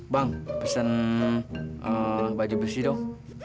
bang pesen baju besi dong